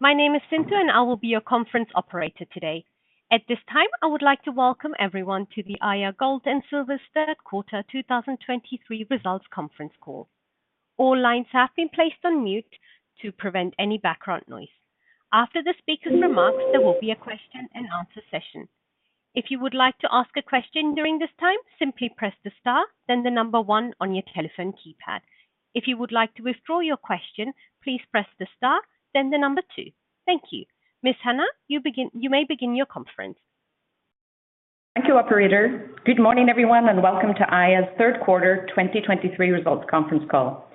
My name is Sintu, and I will be your conference operator today. At this time, I would like to welcome everyone to the Aya Gold and Silver Third Quarter 2023 Results Conference Call. All lines have been placed on mute to prevent any background noise. After the speaker's remarks, there will be a question and answer session. If you would like to ask a question during this time, simply press the star, then the number one on your telephone keypad. If you would like to withdraw your question, please press the star, then the number two. Thank you. Ms. Hanna, you begin, you may begin your conference. Thank you, operator. Good morning, everyone, and welcome to Aya's Third Quarter 2023 Results Conference Call.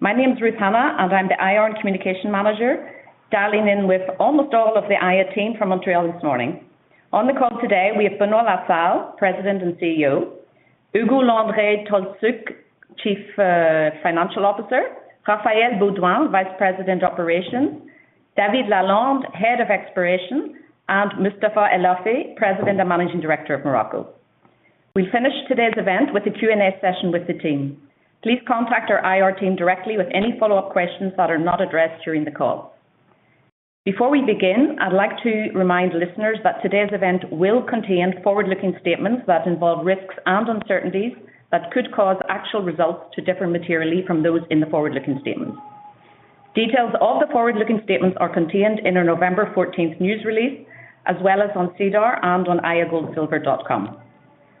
My name is Ruth Hanna, and I'm the IR Communication Manager, dialing in with almost all of the Aya team from Montreal this morning. On the call today, we have Benoit La Salle, President and CEO; Ugo Landry-Tolszczuk, Chief Financial Officer, Raphaël Beaudoin, Vice President, Operations, David Lalonde, Head of Exploration, and Mustapha El Ouafi, President and Managing Director of Morocco. We finish today's event with a Q&A session with the team. Please contact our IR team directly with any follow-up questions that are not addressed during the call. Before we begin, I'd like to remind listeners that today's event will contain forward-looking statements that involve risks and uncertainties that could cause actual results to differ materially from those in the forward-looking statements. Details of the forward-looking statements are contained in our November fourteenth news release, as well as on SEDAR and on ayagoldsilver.com.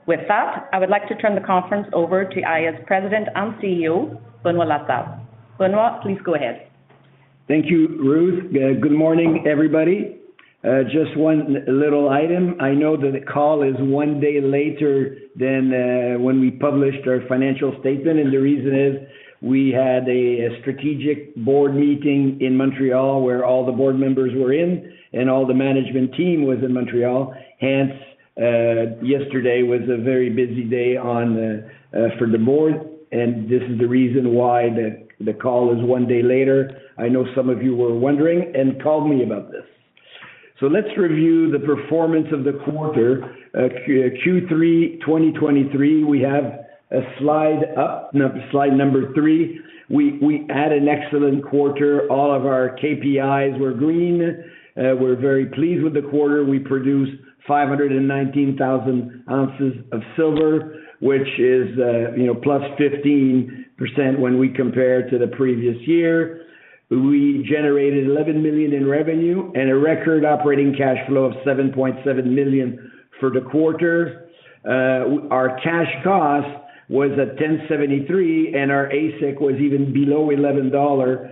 With that, I would like to turn the conference over to Aya's President and CEO, Benoit La Salle. Benoit, please go ahead. Thank you, Ruth. Good morning, everybody. Just one little item. I know that the call is one day later than when we published our financial statement, and the reason is we had a strategic board meeting in Montreal, where all the board members were in, and all the management team was in Montreal. Hence, yesterday was a very busy day for the board, and this is the reason why the call is one day later. I know some of you were wondering and called me about this. So let's review the performance of the quarter. Q3 2023, we have a slide up, slide number three. We had an excellent quarter. All of our KPIs were green. We're very pleased with the quarter. We produced 519,000 ounces of Silver, which is, you know, +15% when we compare to the previous year. We generated 11 million in revenue and a record operating cash flow of 7.7 million for the quarter. Our cash cost was at 1,073, and our AISC was even below 11 dollar,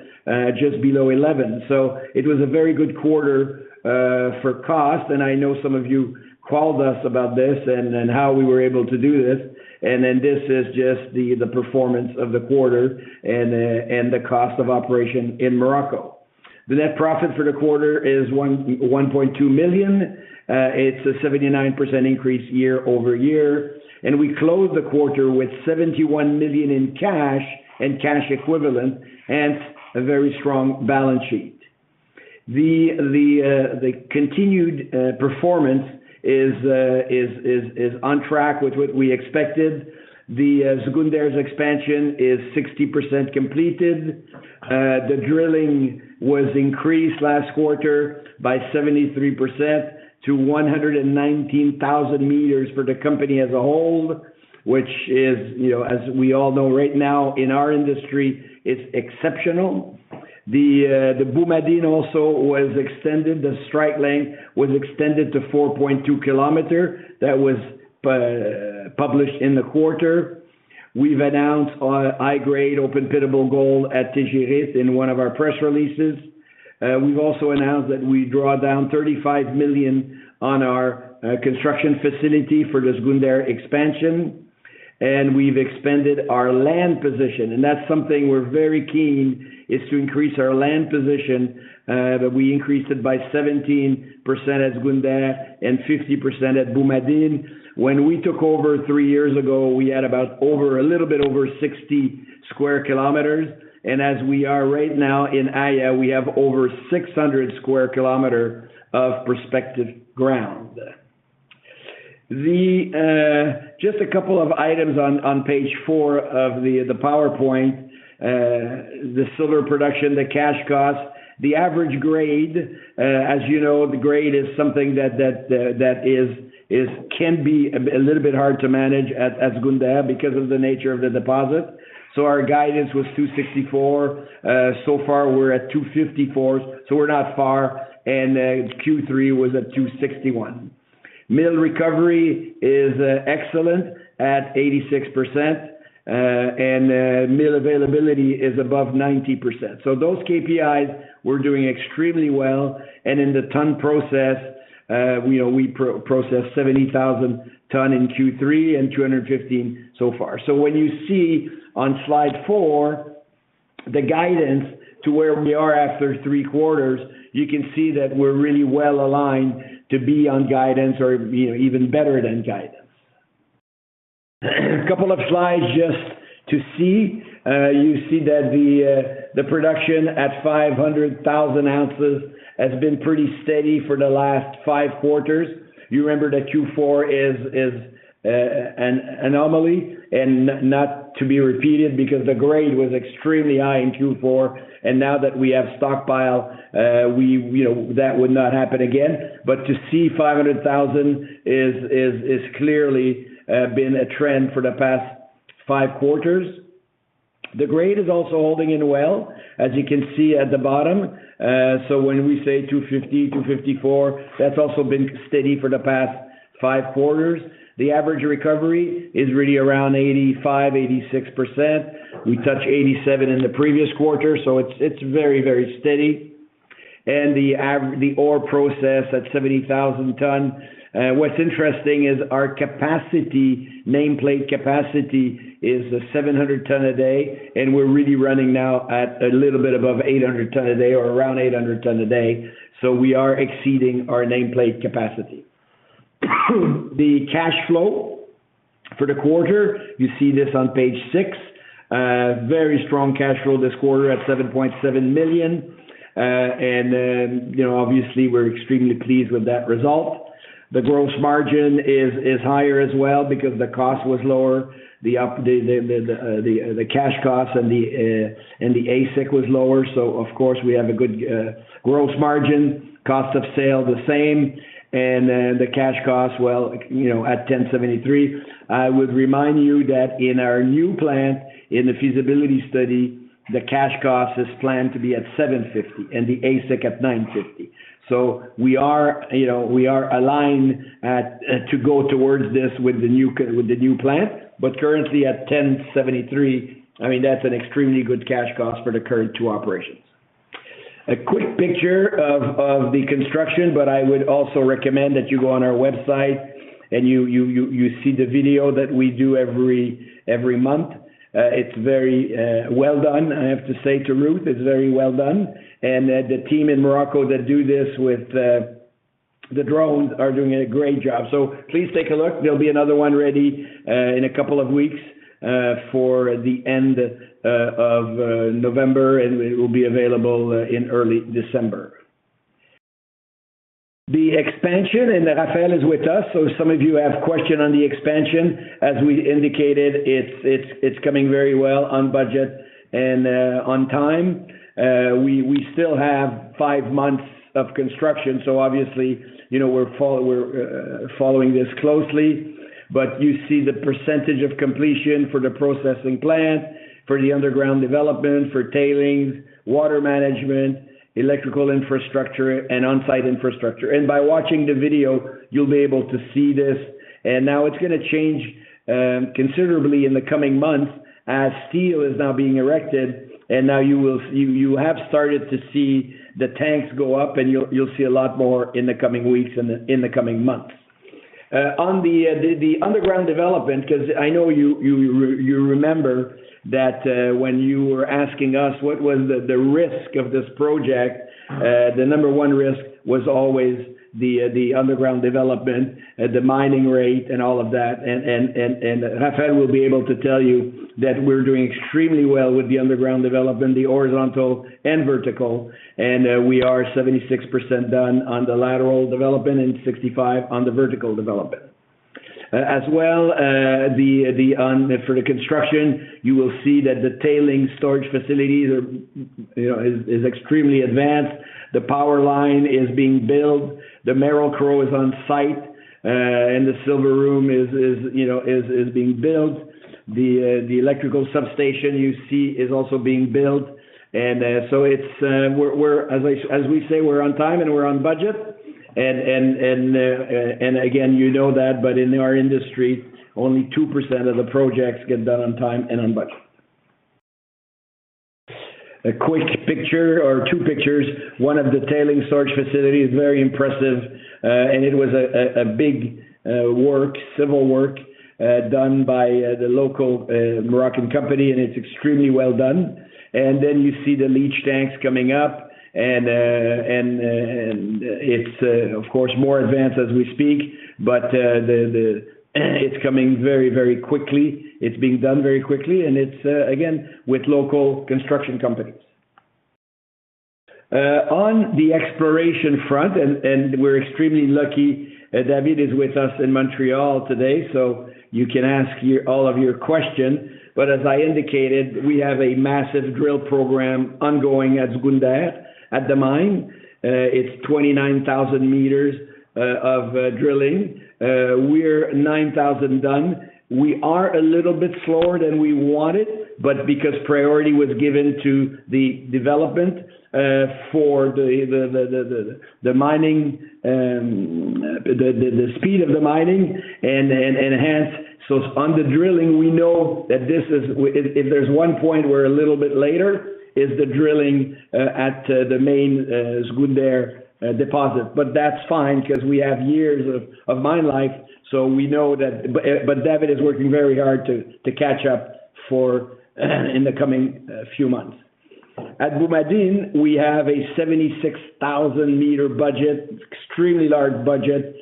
just below 11. So it was a very good quarter, for cost, and I know some of you called us about this and, and how we were able to do this. And then this is just the, the performance of the quarter and the, and the cost of operation in Morocco. The net profit for the quarter is one, 1.2 million. It's a 79% increase year-over-year, and we closed the quarter with 71 million in cash and cash equivalents, hence, a very strong balance sheet. The continued performance is on track with what we expected. The Zgounder's expansion is 60% completed. The drilling was increased last quarter by 73% to 119,000 meters for the company as a whole, which is, you know, as we all know right now in our industry, it's exceptional. The Boumadine also was extended. The strike length was extended to 4.2 km. That was published in the quarter. We've announced high-grade open-pittable gold at Tijirit in one of our press releases. We've also announced that we draw down 35 million on our construction facility for the Zgounder expansion, and we've expanded our land position, and that's something we're very keen, is to increase our land position, that we increased it by 17% at Zgounder and 50% at Boumadine. When we took over three years ago, we had about over, a little bit over 60 sq km, and as we are right now in Aya, we have over 600 sq km of prospective ground. Just a couple of items on page four of the PowerPoint, the Silver production, the cash costs, the average grade. As you know, the grade is something that can be a little bit hard to manage at Zgounder because of the nature of the deposit. So our guidance was 264. So far, we're at 254, so we're not far, and Q3 was at 261. Mill recovery is excellent at 86%, and mill availability is above 90%. So those KPIs, we're doing extremely well. And in the ton process, we know we processed 70,000 tons in Q3 and 215 so far. So when you see on slide four, the guidance to where we are after three quarters, you can see that we're really well-aligned to be on guidance or, you know, even better than guidance. A couple of slides just to see. You see that the production at 500,000 ounces has been pretty steady for the last five quarters. You remember that Q4 is an anomaly, and not to be repeated because the grade was extremely high in Q4, and now that we have stockpile, we, you know, that would not happen again. But to see 500,000 is clearly been a trend for the past five quarters. The grade is also holding in well, as you can see at the bottom. So when we say 250, 254, that's also been steady for the past five quarters. The average recovery is really around 85%-86%. We touched 87% in the previous quarter, so it's very, very steady. And the ore processed at 70,000 tons. What's interesting is our capacity, nameplate capacity, is 700 tons a day, and we're really running now at a little bit above 800 tons a day or around 800 tons a day. So we are exceeding our nameplate capacity. The cash flow for the quarter, you see this on page six. Very strong cash flow this quarter at 7.7 million. And then, you know, obviously, we're extremely pleased with that result. The gross margin is higher as well because the cost was lower. The cash costs and the AISC was lower, so of course, we have a good gross margin. Cost of sales, the same. The cash costs, well, you know, at 1,073. I would remind you that in our new plant, in the feasibility study, the cash cost is planned to be at 750, and the AISC at 950. So we are, you know, we are aligned to go towards this with the new plant. But currently at 1,073, I mean, that's an extremely good cash cost for the current two operations. A quick picture of the construction, but I would also recommend that you go on our website and you see the video that we do every month. It's very well done. I have to say to Ruth, it's very well done. The team in Morocco that do this with the drones are doing a great job. So please take a look. There'll be another one ready in a couple of weeks for the end of November, and it will be available in early December. The expansion, and Raphaël is with us, so some of you have questions on the expansion. As we indicated, it's coming very well, on budget and on time. We still have five months of construction, so obviously, you know, we're following this closely. But you see the percentage of completion for the processing plant, for the underground development, for tailings, water management, electrical infrastructure, and on-site infrastructure. By watching the video, you'll be able to see this. Now it's gonna change considerably in the coming months, as steel is now being erected. And now you will have started to see the tanks go up, and you'll see a lot more in the coming weeks, and in the coming months. On the underground development, 'cause I know you remember that, when you were asking us what was the risk of this project, the number one risk was always the underground development, the mining rate, and all of that. And Raphaël will be able to tell you that we're doing extremely well with the underground development, the horizontal and vertical, and we are 76% done on the lateral development and 65 on the vertical development. As well, on for the construction, you will see that the tailings storage facilities are, you know, extremely advanced. The power line is being built, the Merrill-Crowe is on site, and the Silver room is, you know, being built. The electrical substation, you see, is also being built. And so it's, we're, as we say, we're on time and we're on budget. And again, you know that, but in our industry, only 2% of the projects get done on time and on budget. A quick picture or two pictures, one of the tailings storage facility is very impressive, and it was a big civil work done by the local Moroccan company, and it's extremely well done. And then you see the leach tanks coming up, and it's, of course, more advanced as we speak. But it's coming very, very quickly. It's being done very quickly, and it's again with local construction companies. On the exploration front, we're extremely lucky. David is with us in Montreal today, so you can ask all of your questions. But as I indicated, we have a massive drill program ongoing at Zgounder, at the mine. It's 29,000 meters of drilling. We're 9,000 done. We are a little bit slower than we wanted, but because priority was given to the development for the mining, the speed of the mining and hence. So on the drilling, we know that this is if there's one point we're a little bit later, is the drilling at the main Zgounder deposit. But that's fine because we have years of mine life, so we know that. But David is working very hard to catch up in the coming few months. At Boumadine, we have a 76,000 meters budget, extremely large budget.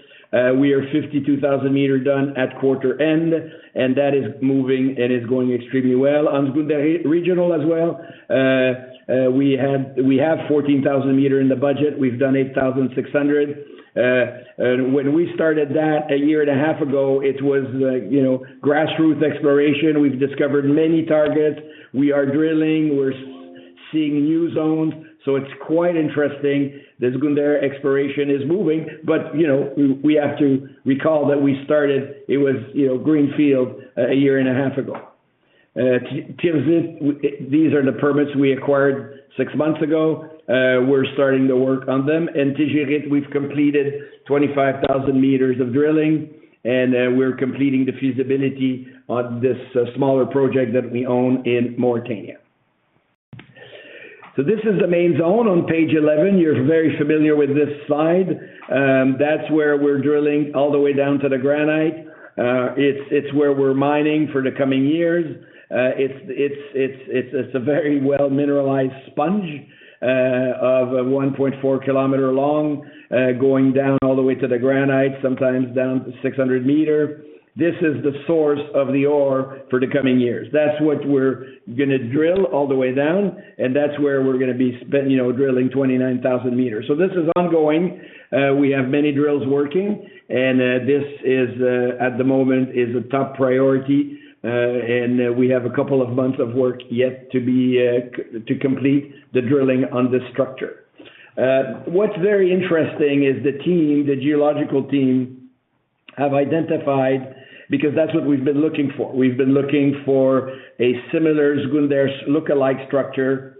We are 52,000 meters done at quarter end, and that is moving and is going extremely well. On Zgounder Regional as well, we have 14,000 meters in the budget, we've done 8,600 meters. And when we started that a year and a half ago, it was like, you know, grassroots exploration. We've discovered many targets. We are drilling, we're seeing new zones, so it's quite interesting. The Zgounder exploration is moving, but, you know, we have to recall that we started, it was, you know, greenfield a year and a half ago. Tijirit, these are the permits we acquired six months ago. We're starting to work on them. Tijirit, we've completed 25,000 meters of drilling, and we're completing the feasibility on this smaller project that we own in Mauritania. So this is the main zone on page 11. You're very familiar with this slide. That's where we're drilling all the way down to the granite. It's a very well mineralized sponge of a 1.4 km long going down all the way to the granite, sometimes down to 600 meters. This is the source of the ore for the coming years. That's what we're gonna drill all the way down, and that's where we're gonna be spend, you know, drilling 29,000 meters. So this is ongoing. We have many drills working, and this is, at the moment, a top priority, and we have a couple of months of work yet to be to complete the drilling on this structure. What's very interesting is the team, the geological team, have identified... Because that's what we've been looking for. We've been looking for a similar Zgounder look-alike structure.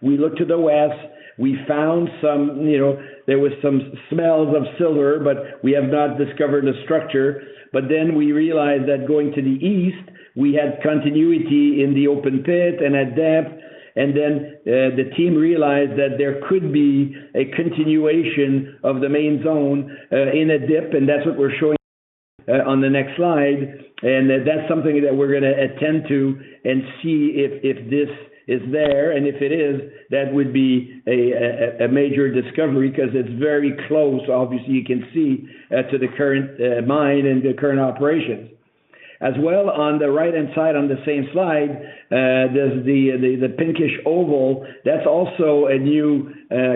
We looked to the west, we found some, you know, there was some smells of Silver, but we have not discovered a structure. But then we realized that going to the east, we had continuity in the open pit and at depth, and then the team realized that there could be a continuation of the main zone, in a dip, and that's what we're showing on the next slide. That's something that we're gonna attend to and see if this is there, and if it is, that would be a major discovery because it's very close, obviously, you can see, to the current mine and the current operations. As well, on the right-hand side, on the same slide, there's the pinkish oval. That's also a new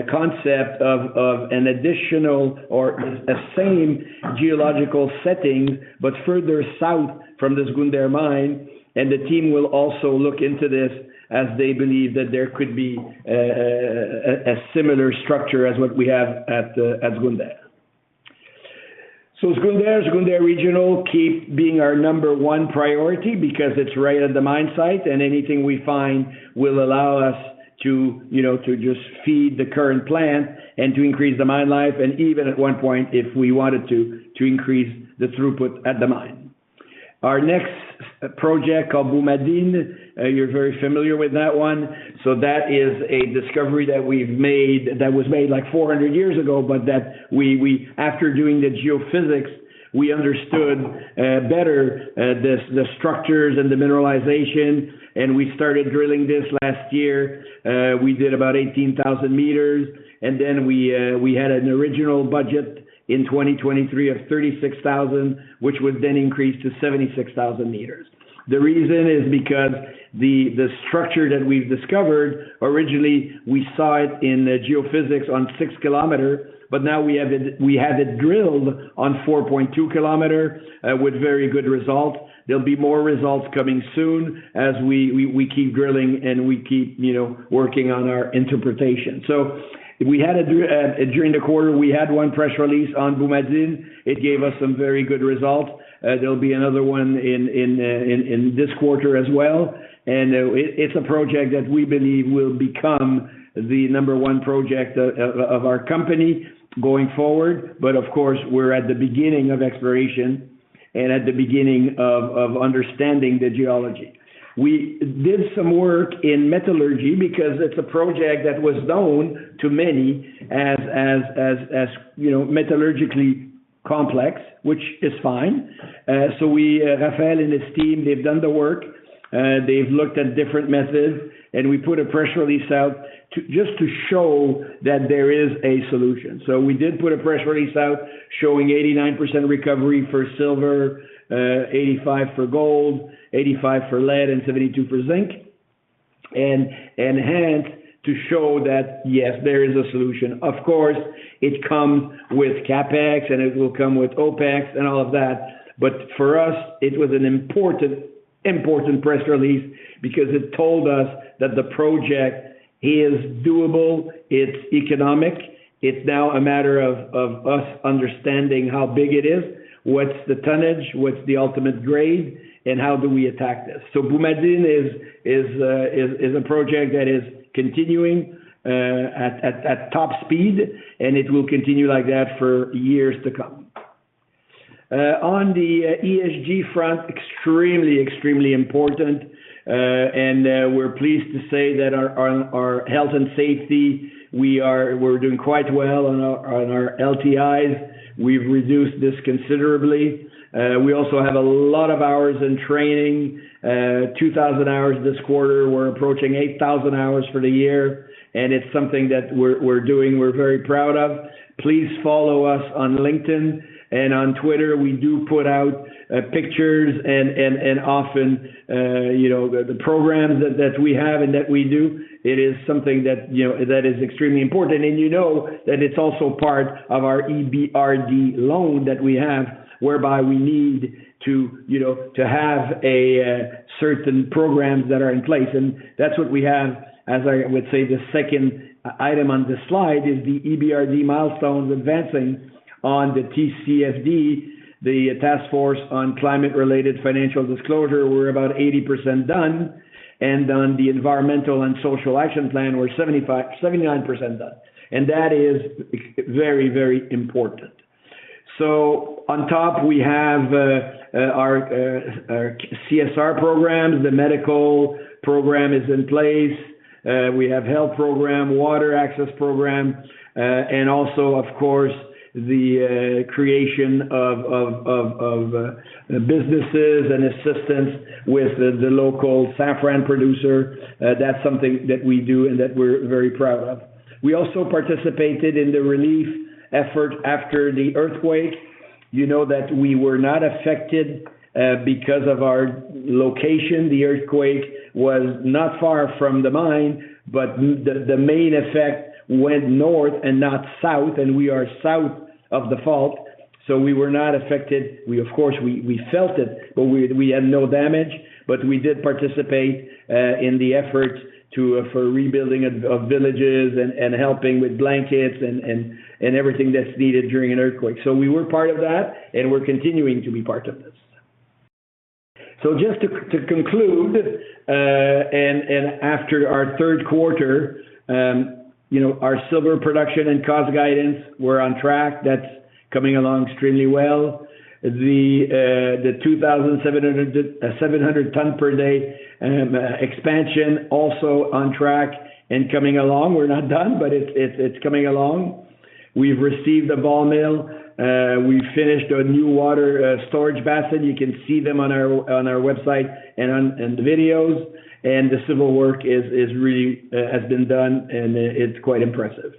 concept of an additional or a same geological setting, but further south from the Zgounder mine, and the team will also look into this, as they believe that there could be a similar structure as what we have at Zgounder. So Zgounder, Zgounder Regional, keep being our number one priority because it's right at the mine site, and anything we find will allow us to, you know, to just feed the current plant and to increase the mine life, and even at one point, if we wanted to, to increase the throughput at the mine. Our next project called Boumadine, you're very familiar with that one. So that is a discovery that we've made, that was made, like, 400 years ago, but that we, after doing the geophysics, we understood better the structures and the mineralization, and we started drilling this last year. We did about 18,000 meters, and then we had an original budget in 2023 of 36,000, which was then increased to 76,000 meters. The reason is because the structure that we've discovered, originally, we saw it in geophysics on 6-kilometer, but now we have it drilled on 4.2-km, with very good result. There'll be more results coming soon as we keep drilling and we keep, you know, working on our interpretation. So we had a during the quarter, we had one press release on Boumadine. It gave us some very good results. There'll be another one in this quarter as well. And, it's a project that we believe will become the number one project of our company going forward. But of course, we're at the beginning of exploration and at the beginning of understanding the geology. We did some work in metallurgy because it's a project that was known to many as, you know, metallurgically complex, which is fine. So we, Raphaël and his team, they've done the work. They've looked at different methods, and we put a press release out to just to show that there is a solution. So we did put a press release out showing 89% recovery for Silver, 85% for Gold, 85% for Lead and 72% for Zinc. And, enhanced to show that, yes, there is a solution. Of course, it come with CapEx, and it will come with OpEx, and all of that. But for us, it was an important, important press release because it told us that the project is doable, it's economic. It's now a matter of us understanding how big it is, what's the tonnage, what's the ultimate grade, and how do we attack this? So Boumadine is a project that is continuing at top speed, and it will continue like that for years to come. On the ESG front, extremely important. We're pleased to say that on our health and safety, we're doing quite well on our LTIs. We've reduced this considerably. We also have a lot of hours in training, 2,000 hours this quarter. We're approaching 8,000 hours for the year, and it's something that we're doing, we're very proud of. Please follow us on LinkedIn and on Twitter. We do put out pictures and often you know the programs that we have and that we do, it is something that you know that is extremely important. And you know that it's also part of our EBRD loan that we have, whereby we need to you know to have a certain programs that are in place. And that's what we have, as I would say, the second item on this slide is the EBRD milestones advancing on the TCFD, the Task Force on Climate-related Financial Disclosure. We're about 80% done, and on the environmental and social action plan, we're 75%-79% done, and that is very, very important. So on top, we have our CSR program. The medical program is in place. We have health program, water access program, and also, of course, the creation of businesses and assistance with the local saffron producer. That's something that we do and that we're very proud of. We also participated in the relief effort after the earthquake. You know that we were not affected because of our location. The earthquake was not far from the mine, but the main effect went north and not south, and we are south of the fault, so we were not affected. We of course felt it, but we had no damage. But we did participate in the effort for rebuilding of villages and everything that's needed during an earthquake. So we were part of that, and we're continuing to be part of this. So just to conclude, and after our third quarter, you know, our Silver production and cost guidance, we're on track. That's coming along extremely well. The 2,700 ton per day expansion also on track and coming along. We're not done, but it's coming along. We've received the ball mill. We finished a new water storage basin. You can see them on our website and in the videos. And the civil work is really, has been done, and it's quite impressive.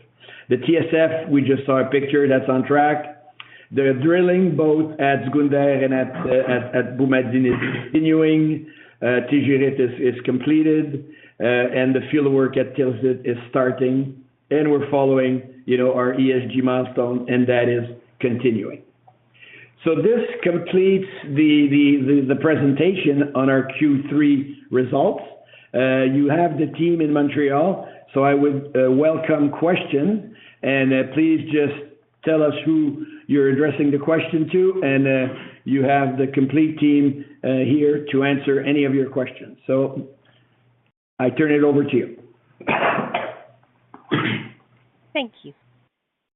The TSF, we just saw a picture, that's on track. The drilling, both at Zgounder and at Boumadine is continuing. Tijirit is completed, and the field work at Tirzzit is starting, and we're following, you know, our ESG milestone, and that is continuing. So this completes the presentation on our Q3 results. You have the team in Montreal, so I would welcome question. And please just tell us who you're addressing the question to, and you have the complete team here to answer any of your questions. So I turn it over to you. Thank you.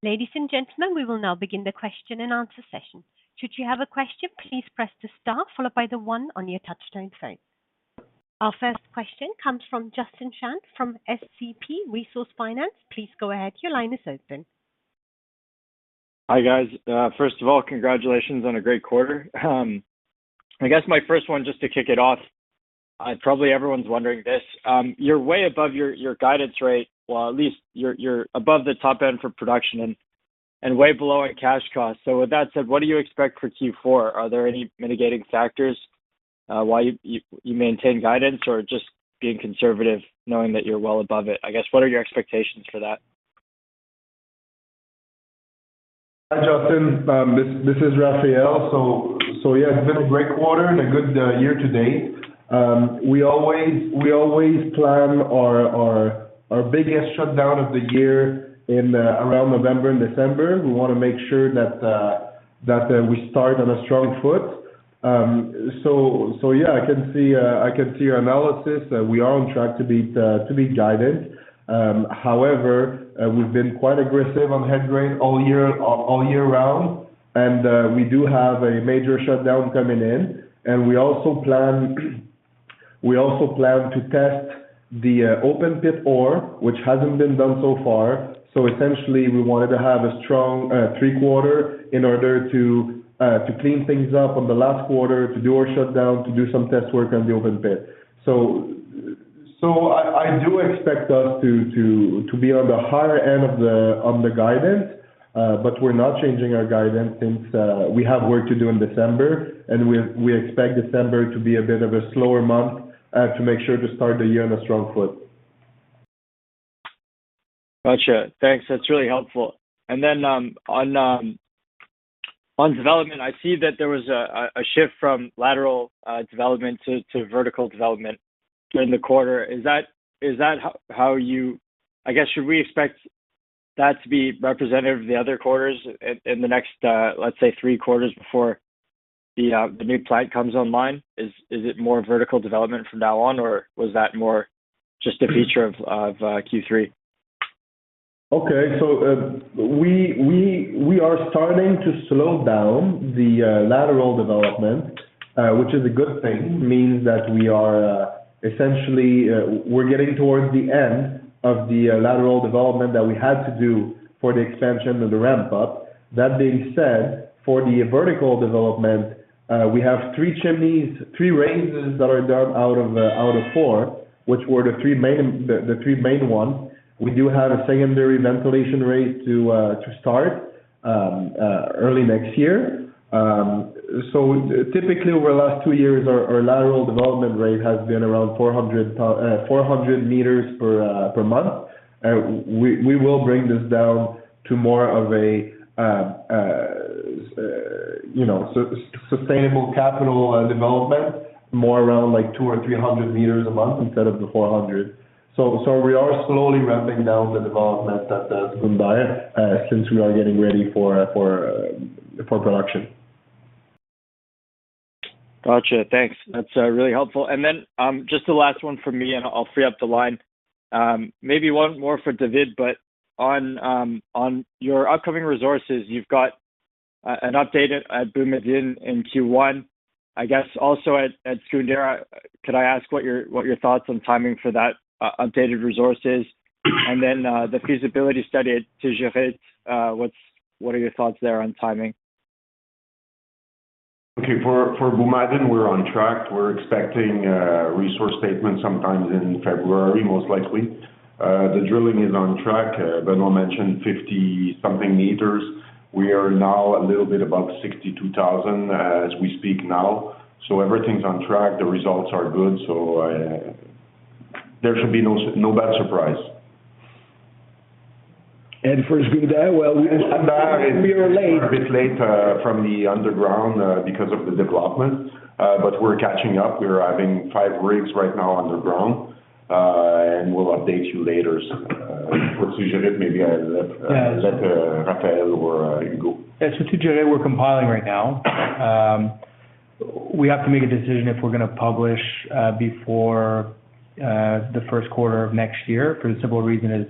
Ladies and gentlemen, we will now begin the question and answer session. Should you have a question, please press the star followed by the one on your touchtone phone. Our first question comes from Justin Chan, from SCP Resource Finance. Please go ahead. Your line is open. Hi, guys. First of all, congratulations on a great quarter. I guess my first one, just to kick it off, probably everyone's wondering this. You're way above your guidance rate, well, at least you're above the top end for production and way below at cash cost. So with that said, what do you expect for Q4? Are there any mitigating factors why you maintain guidance or just being conservative, knowing that you're well above it? I guess, what are your expectations for that? Hi, Justin. This is Raphaël. So yeah, it's been a great quarter and a good year to date. We always plan our biggest shutdown of the year in around November and December. We want to make sure that we start on a strong foot. So yeah, I can see your analysis. We are on track to beat guidance. However, we've been quite aggressive on headgrade all year, all year round, and we do have a major shutdown coming in. And we also plan to test the open pit ore, which hasn't been done so far. Essentially, we wanted to have a strong three quarter in order to clean things up on the last quarter, to do our shutdown, to do some test work on the open pit. So I do expect us to be on the higher end of the guidance, but we're not changing our guidance since we have work to do in December, and we expect December to be a bit of a slower month to make sure to start the year on a strong foot. Gotcha. Thanks, that's really helpful. And then, on development, I see that there was a shift from lateral development to vertical development during the quarter. Is that how you—I guess, should we expect that to be representative of the other quarters in the next, let's say, three quarters before the new plant comes online? Is it more vertical development from now on, or was that more just a feature of Q3? ... Okay, so, we are starting to slow down the lateral development, which is a good thing. Means that we are essentially getting towards the end of the lateral development that we had to do for the expansion of the ramp up. That being said, for the vertical development, we have three chimneys, three raises that are done out of four, which were the three main ones. We do have a secondary ventilation raise to start early next year. So typically, over the last two years, our lateral development rate has been around 400 meters per month. We will bring this down to more of a, you know, sustainable capital development, more around like 200 or 300 meters a month instead of the 400. So we are slowly ramping down the development at the Zgounder, since we are getting ready for production. Gotcha. Thanks. That's really helpful. And then, just the last one from me, and I'll free up the line. Maybe one more for David, but on, on your upcoming resources, you've got an update at Boumadine in Q1. I guess, also at Zgounder, could I ask what your, what your thoughts on timing for that updated resources? And then, the feasibility study at Tijirit, what's, what are your thoughts there on timing? Okay, for Boumadine, we're on track. We're expecting a resource statement sometime in February, most likely. The drilling is on track. Benoit mentioned 50-something meters. We are now a little bit above 62,000, as we speak now. So everything's on track, the results are good, so there should be no bad surprise. For Zgounder, well, we are late. A bit late from the underground because of the development, but we're catching up. We're having five rigs right now underground, and we'll update you later. For Tijirit, maybe I let Raphaël or Ugo. Yes, so Tijirit, we're compiling right now. We have to make a decision if we're gonna publish before the first quarter of next year, for the simple reason is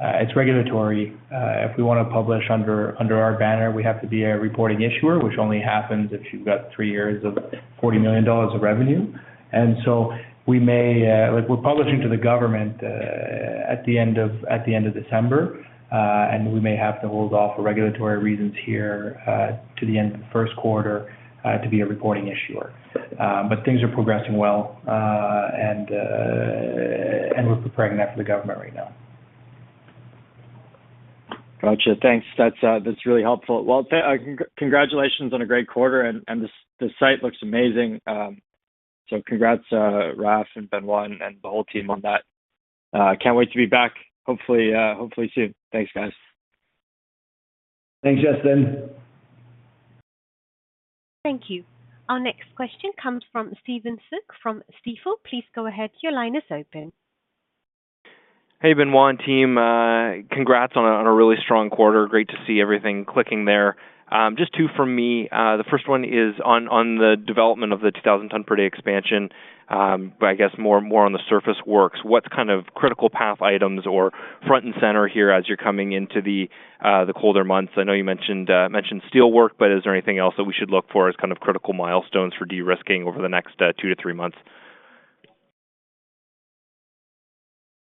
it's regulatory. If we want to publish under our banner, we have to be a reporting issuer, which only happens if you've got three years of $40 million of revenue. And so we may, like we're publishing to the government at the end of December, and we may have to hold off for regulatory reasons here to the end of the first quarter to be a reporting issuer. But things are progressing well, and we're preparing that for the government right now. Got you. Thanks. That's really helpful. Well, congratulations on a great quarter, and the site looks amazing. So congrats, Raph and Benoit and the whole team on that. Can't wait to be back, hopefully, hopefully soon. Thanks, guys. Thanks, Justin. Thank you. Our next question comes from Stephen Soock from Stifel. Please go ahead, your line is open. Hey, Benoit and team, congrats on a really strong quarter. Great to see everything clicking there. Just two from me. The first one is on the development of the 2,000 ton per day expansion, but I guess more and more on the surface works. What kind of critical path items or front and center here as you're coming into the colder months? I know you mentioned steel work, but is there anything else that we should look for as kind of critical milestones for de-risking over the next two to three months?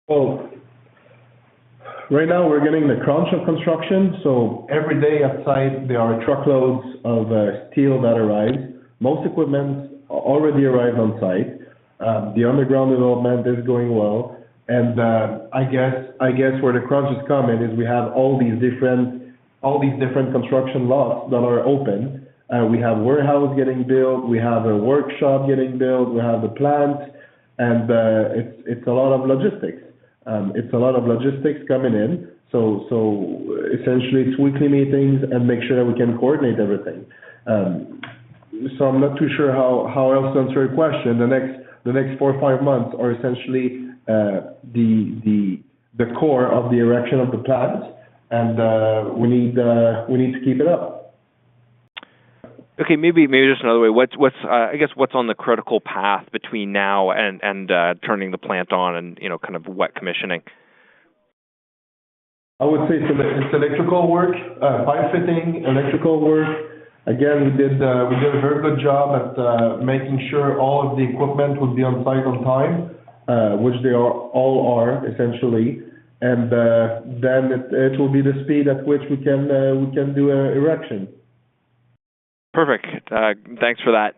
Well, right now we're getting the crunch of construction, so every day outside, there are truckloads of steel that arrive. Most equipments already arrived on site. The underground development is going well, and I guess where the crunch is coming is we have all these different construction lots that are open. We have warehouse getting built, we have a workshop getting built, we have the plant, and it's a lot of logistics. It's a lot of logistics coming in, so essentially, it's weekly meetings and make sure that we can coordinate everything. So I'm not too sure how else to answer your question. The next four or five months are essentially the core of the erection of the plant, and we need to keep it up. Okay, maybe just another way. I guess, what's on the critical path between now and turning the plant on and, you know, kind of wet commissioning? I would say it's electrical work, pipe fitting, electrical work. Again, we did a very good job at making sure all of the equipment would be on site on time, which they are, essentially. And then it will be the speed at which we can do erection. Perfect. Thanks for that.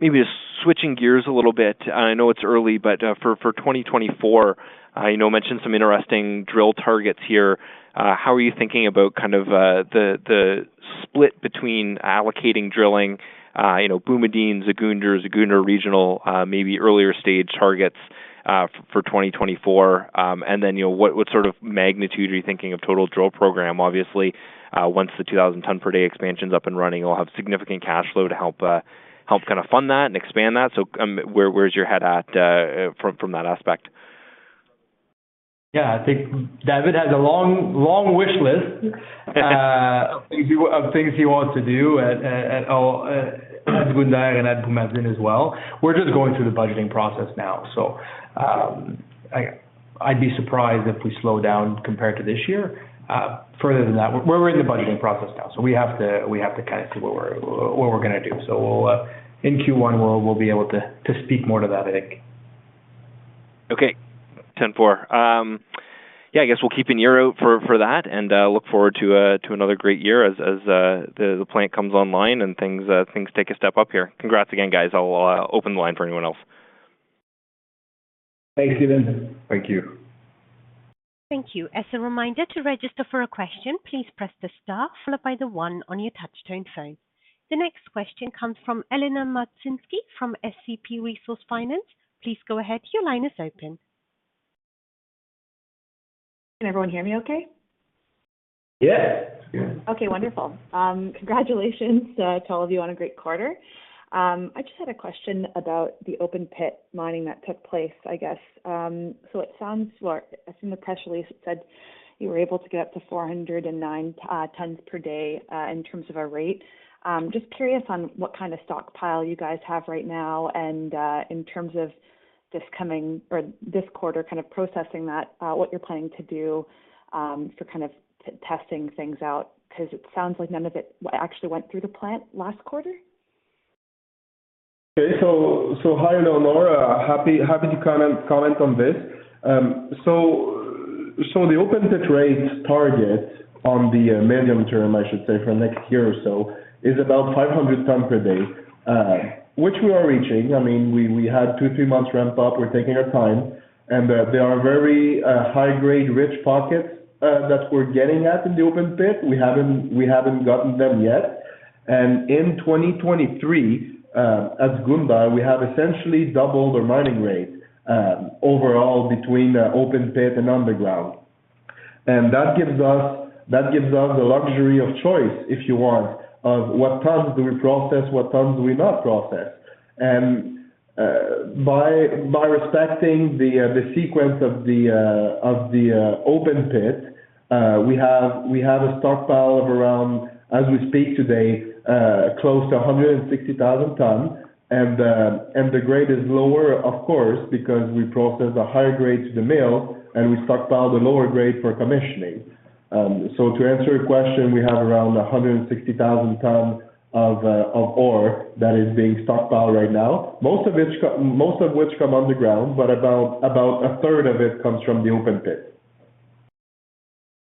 Maybe just switching gears a little bit, I know it's early, but, for 2024, I know you mentioned some interesting drill targets here. How are you thinking about kind of, the split between allocating drilling, you know, Boumadine, Zgounder’s, Zgounder Regional, maybe earlier stage targets, for 2024? And then, you know, what sort of magnitude are you thinking of total drill program? Obviously, once the 2,000-ton-per-day expansion is up and running, you'll have significant cash flow to help kind of fund that and expand that. So, where is your head at, from that aspect? Yeah, I think David has a long-... of things he wants to do at Zgounder and at Boumadine as well. We're just going through the budgeting process now, so I'd be surprised if we slow down compared to this year. Further than that, we're in the budgeting process now, so we have to kind of see what we're gonna do. So we'll in Q1 be able to speak more to that, I think. Okay, ten-four. Yeah, I guess we'll keep an ear out for that and look forward to another great year as the plant comes online and things take a step up here. Congrats again, guys. I'll open the line for anyone else. Thanks, Steven. Thank you. Thank you. As a reminder, to register for a question, please press the star followed by the one on your touchtone phone. The next question comes from Eleanor Magdzinski from SCP Resource Finance. Please go ahead, your line is open. Can everyone hear me okay? Yes. Yeah. Okay, wonderful. Congratulations to all of you on a great quarter. I just had a question about the open pit mining that took place, I guess. So it sounds, or I assume the press release said you were able to get up to 409 tons per day in terms of a rate. Just curious on what kind of stockpile you guys have right now and, in terms of this coming or this quarter, kind of processing that, what you're planning to do for kind of testing things out, 'cause it sounds like none of it actually went through the plant last quarter. Okay. So hi, Eleanor. Happy to comment on this. So the open pit rate target on the medium term, I should say, for next year or so, is about 500 ton per day, which we are reaching. I mean, we had two, three months ramp up. We're taking our time, and there are very high-grade rich pockets that we're getting at in the open pit. We haven't gotten them yet. And in 2023, at Goumba, we have essentially doubled our mining rate overall between the open pit and underground. And that gives us the luxury of choice, if you want, of what tons do we process, what tons do we not process? And, by respecting the sequence of the open pit, we have a stockpile of around, as we speak today, close to 160,000 tons. And, the grade is lower, of course, because we process a higher grade to the mill, and we stockpile the lower grade for commissioning. So to answer your question, we have around 160,000 tons of ore that is being stockpiled right now, most of which comes underground, but about a third of it comes from the open pit.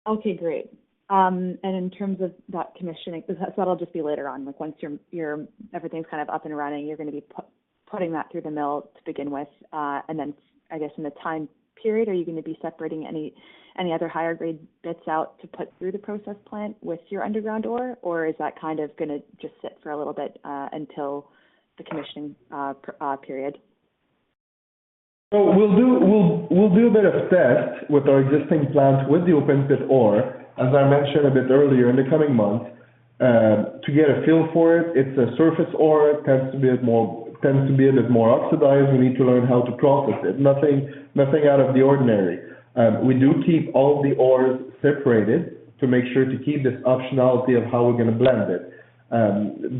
Okay, great. In terms of that commissioning, so that'll just be later on, like once your everything's kind of up and running, you're gonna be putting that through the mill to begin with, and then, I guess, in a time period, are you gonna be separating any other higher grade bits out to put through the process plant with your underground ore, or is that kind of gonna just sit for a little bit, until the commissioning period? So we'll do a bit of test with our existing plant, with the open pit ore, as I mentioned a bit earlier, in the coming months, to get a feel for it. It's a surface ore, tends to be a bit more oxidized. We need to learn how to process it. Nothing out of the ordinary. We do keep all the ores separated to make sure to keep this optionality of how we're gonna blend it.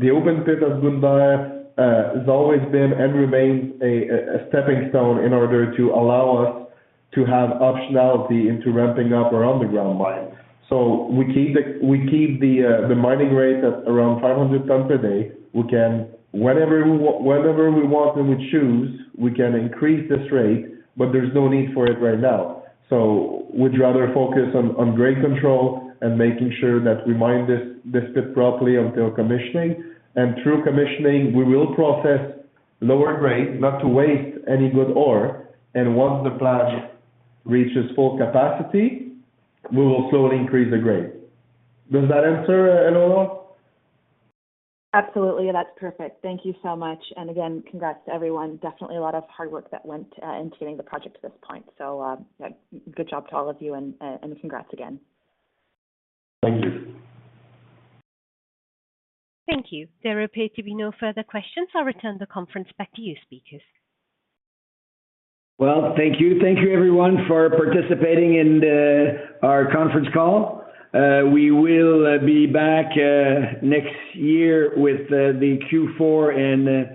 The open pit at Goumba has always been and remains a stepping stone in order to allow us to have optionality into ramping up our underground mine. So we keep the mining rate at around 500 tons per day. We can, whenever we want and we choose, we can increase this rate, but there's no need for it right now. We'd rather focus on grade control and making sure that we mine this pit properly until commissioning. Through commissioning, we will process lower grade, not to waste any good ore, and once the plant reaches full capacity, we will slowly increase the grade. Does that answer, Eleanor? Absolutely. That's perfect. Thank you so much, and again, congrats to everyone. Definitely a lot of hard work that went into getting the project to this point. So, yeah, good job to all of you and, and congrats again. Thank you. Thank you. There appear to be no further questions. I'll return the conference back to you, speakers. Well, thank you. Thank you everyone for participating in our conference call. We will be back next year with the Q4 and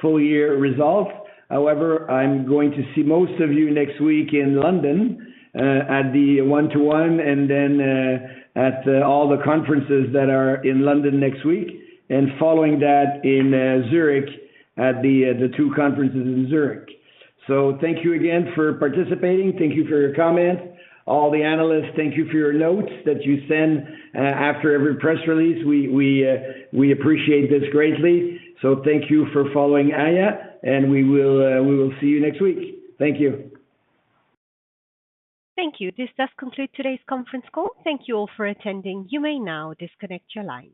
full year results. However, I'm going to see most of you next week in London at the 121, and then at all the conferences that are in London next week, and following that in Zurich at the two conferences in Zurich. So thank you again for participating. Thank you for your comments. All the analysts, thank you for your notes that you send after every press release. We appreciate this greatly. So thank you for following Aya, and we will see you next week. Thank you. Thank you. This does conclude today's conference call. Thank you all for attending. You may now disconnect your lines.